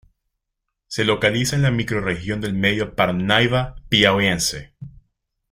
Se localiza en la microrregión del Medio Parnaíba Piauiense.